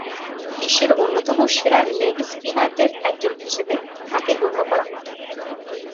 বিশ্বের অন্যতম সেরা লেগ স্পিনারদের একজন হিসেবে তাকে গণ্য করা হতো।